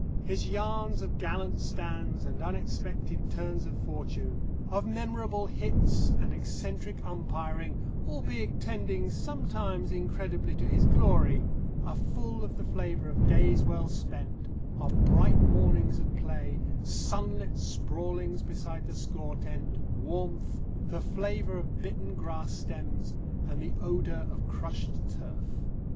His yarns of gallant stands and unexpected turns of fortune, of memorable hits and eccentric umpiring, albeit tending sometimes incredibly to his glory, are full of the flavour of days well spent, of bright mornings of play, sunlit sprawlings beside the score tent, warmth, the flavour of bitten grass stems, and the odour of crushed turf.